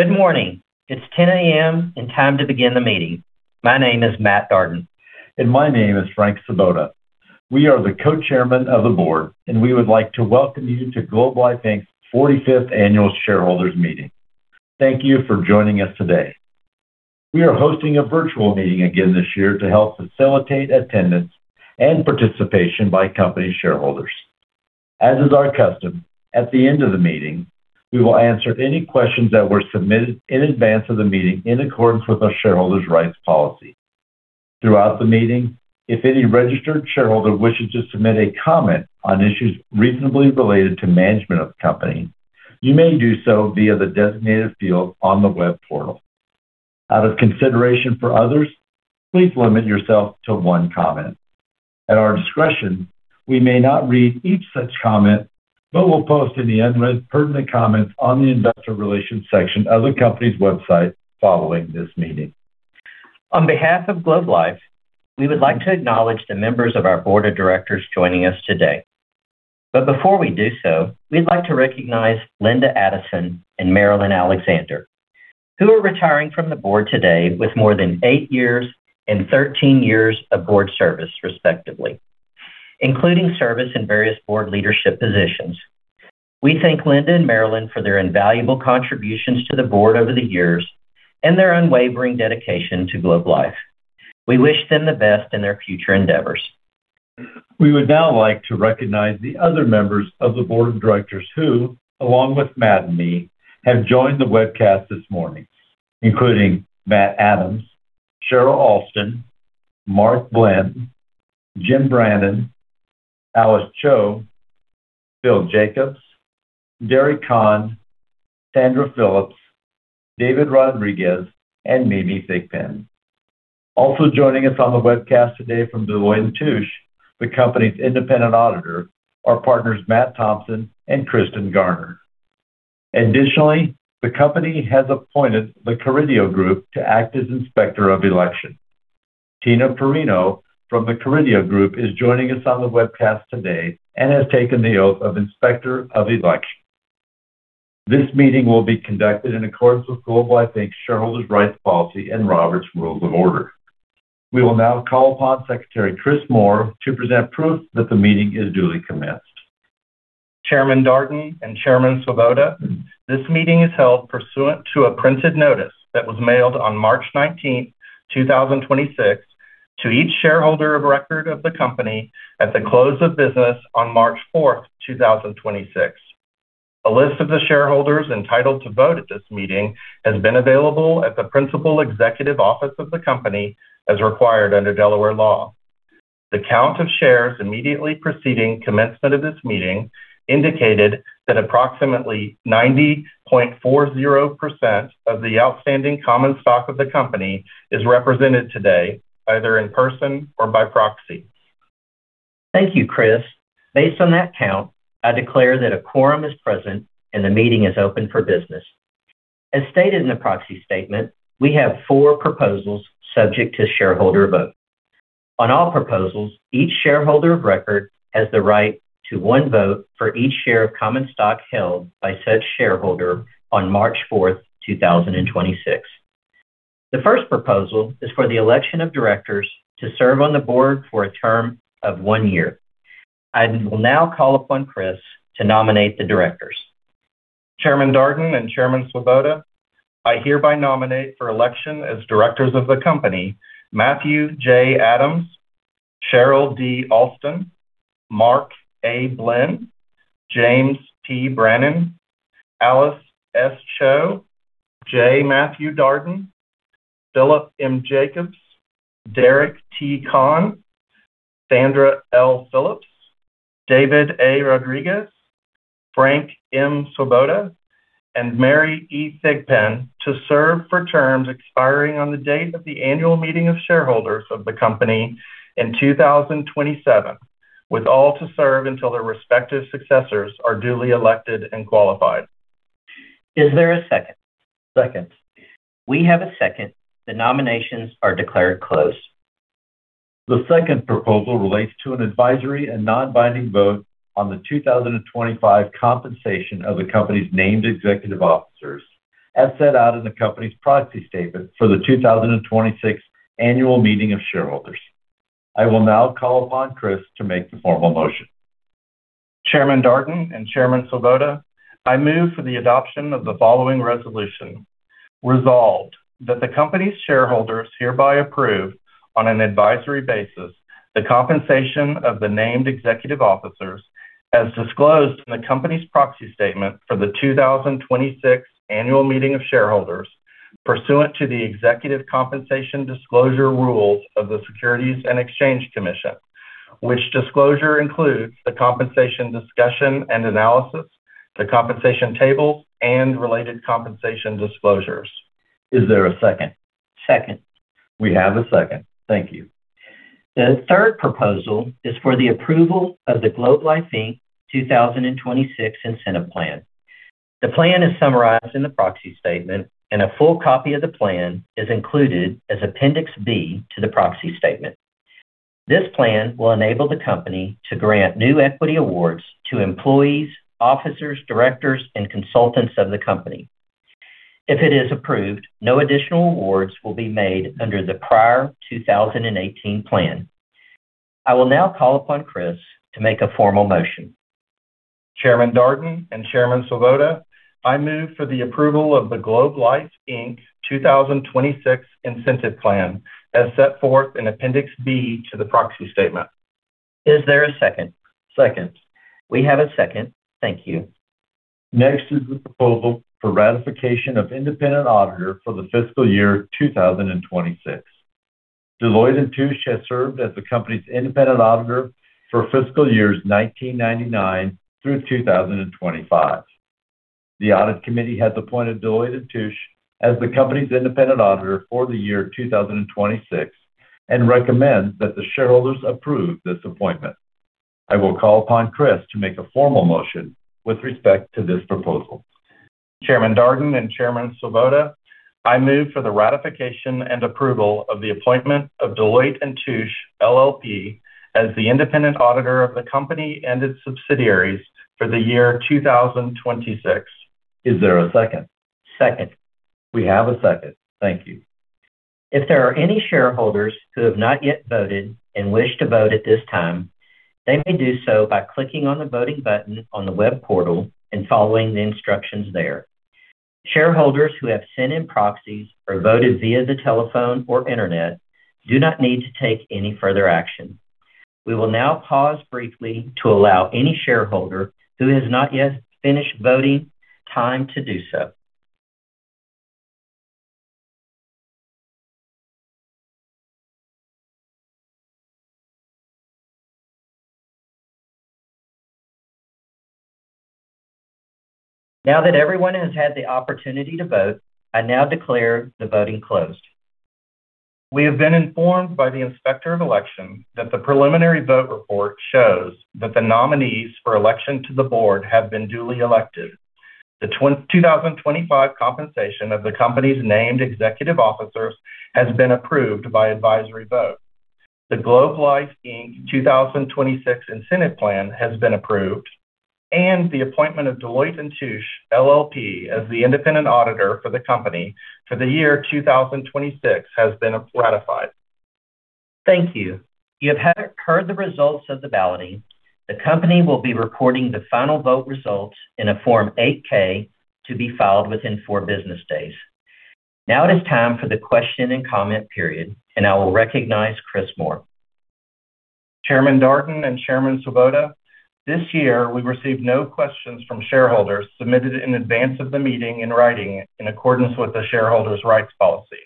Good morning. It's 10 A.M. and time to begin the meeting. My name is Matt Darden. My name is Frank Svoboda. We are the co-chairmen of the board, and we would like to welcome you to Globe Life Inc.'s 45th annual shareholders' meeting. Thank you for joining us today. We are hosting a virtual meeting again this year to help facilitate attendance and participation by company shareholders. As is our custom, at the end of the meeting, we will answer any questions that were submitted in advance of the meeting in accordance with our shareholders' rights policy. Throughout the meeting, if any registered shareholder wishes to submit a comment on issues reasonably related to management of the company, you may do so via the designated field on the web portal. Out of consideration for others, please limit yourself to one comment. At our discretion, we may not read each such comment, but we'll post any unread pertinent comments on the investor relations section of the company's website following this meeting. On behalf of Globe Life, we would like to acknowledge the members of our board of directors joining us today. Before we do so, we'd like to recognize Linda Addison and Marilyn Alexander, who are retiring from the board today with more than eight years and 13 years of board service respectively, including service in various board leadership positions. We thank Linda and Marilyn for their invaluable contributions to the board over the years and their unwavering dedication to Globe Life. We wish them the best in their future endeavors. We would now like to recognize the other members of the board of directors who, along with Matt and me, have joined the webcast this morning, including Matt Adams, Cheryl Alston, Mark Blinn, James Brannen, Alice Cho, Philip Jacobs, Derek Kan, Sandra Phillips, David Rodriguez, and Mary Thigpen. Also joining us on the webcast today from Deloitte & Touche, the company's independent auditor, are partners Matt Thomson and Kristen Garner. Additionally, the company has appointed the Carideo Group to act as inspector of election. Tina Perrino from the Carideo Group is joining us on the webcast today and has taken the oath of inspector of election. This meeting will be conducted in accordance with Globe Life Inc.'s shareholders' rights policy and Robert's Rules of Order. We will now call upon Secretary Chris Moore to present proof that the meeting is duly commenced. Chairman Darden and Chairman Svoboda, this meeting is held pursuant to a printed notice that was mailed on March 19, 2026, to each shareholder of record of the company at the close of business on March 4, 2026. A list of the shareholders entitled to vote at this meeting has been available at the principal executive office of the company as required under Delaware law. The count of shares immediately preceding commencement of this meeting indicated that approximately 90.40% of the outstanding common stock of the company is represented today, either in person or by proxy. Thank you, Chris. Based on that count, I declare that a quorum is present and the meeting is open for business. As stated in the proxy statement, we have four proposals subject to shareholder vote. On all proposals, each shareholder of record has the right to one vote for each share of common stock held by such shareholder on March 4, 2026. The first proposal is for the election of directors to serve on the board for a term of one year. I will now call upon Chris to nominate the directors. Chairman Darden and Chairman Svoboda, I hereby nominate for election as directors of the company Matthew J. Adams, Cheryl D. Alston, Mark A. Blinn, James P. Brannen, Alice S. Cho, J. Matthew Darden, Philip M. Jacobs, Derek T. Kan, Sandra L. Phillips, David A. Rodriguez, Frank M. Svoboda, and Mary E. Thigpen to serve for terms expiring on the date of the annual meeting of shareholders of the company in 2027, with all to serve until their respective successors are duly elected and qualified. Is there a second? Second. We have a second. The nominations are declared closed. The second proposal relates to an advisory and non-binding vote on the 2025 compensation of the company's named executive officers, as set out in the company's proxy statement for the 2026 annual meeting of shareholders. I will now call upon Chris to make the formal motion. Chairman Darden and Chairman Svoboda, I move for the adoption of the following resolution. Resolved, that the company's shareholders hereby approve on an advisory basis the compensation of the named executive officers as disclosed in the company's proxy statement for the 2026 annual meeting of shareholders pursuant to the executive compensation disclosure rules of the Securities and Exchange Commission, which disclosure includes the compensation discussion and analysis, the compensation table, and related compensation disclosures. Is there a second? Second. We have a second. Thank you. The third proposal is for the approval of the Globe Life Inc. 2026 Incentive Plan. The plan is summarized in the proxy statement. A full copy of the plan is included as Appendix B to the proxy statement. This plan will enable the company to grant new equity awards to employees, officers, directors, and consultants of the company. If it is approved, no additional awards will be made under the prior 2018 plan. I will now call upon Chris to make a formal motion. Chairman Darden and Chairman Svoboda, I move for the approval of the Globe Life Inc. 2026 Incentive Plan as set forth in Appendix B to the proxy statement. Is there a second? Second. We have a second. Thank you. Next is the proposal for ratification of independent auditor for the fiscal year 2026. Deloitte & Touche has served as the company's independent auditor for fiscal years 1999 through 2025. The audit committee has appointed Deloitte & Touche as the company's independent auditor for the year 2026 and recommends that the shareholders approve this appointment. I will call upon Chris to make a formal motion with respect to this proposal. Chairman Darden and Chairman Svoboda, I move for the ratification and approval of the appointment of Deloitte & Touche LLP, as the independent auditor of the company and its subsidiaries for the year 2026. Is there a second? Second. We have a second. Thank you. If there are any shareholders who have not yet voted and wish to vote at this time, they may do so by clicking on the voting button on the web portal and following the instructions there. Shareholders who have sent in proxies or voted via the telephone or internet do not need to take any further action. We will now pause briefly to allow any shareholder who has not yet finished voting time to do so. Now that everyone has had the opportunity to vote, I now declare the voting closed. We have been informed by the Inspector of Election that the preliminary vote report shows that the nominees for election to the board have been duly elected. The 2025 compensation of the company's named executive officers has been approved by advisory vote. The Globe Life Inc. 2026 Incentive Plan has been approved, and the appointment of Deloitte & Touche LLP, as the independent auditor for the company for the year 2026 has been ratified. Thank you. You have heard the results of the balloting. The company will be reporting the final vote results in a Form 8-K to be filed within four business days. Now it is time for the question and comment period, and I will recognize Chris Moore. Chairman Darden and Chairman Svoboda, this year we received no questions from shareholders submitted in advance of the meeting in writing in accordance with the shareholders' rights policy.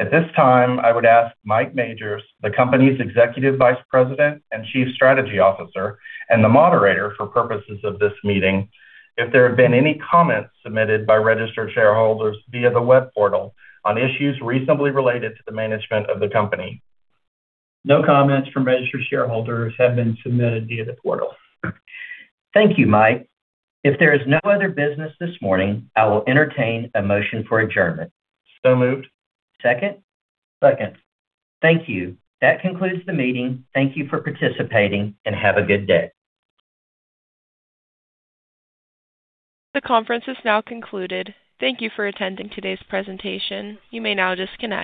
At this time, I would ask Mike Majors, the company's Executive Vice President and Chief Strategy Officer and the moderator for purposes of this meeting, if there have been any comments submitted by registered shareholders via the web portal on issues reasonably related to the management of the company. No comments from registered shareholders have been submitted via the portal. Thank you, Mike. If there is no other business this morning, I will entertain a motion for adjournment. Moved. Second? Second. Thank you. That concludes the meeting. Thank you for participating and have a good day. The conference is now concluded. Thank you for attending today's presentation. You may now disconnect.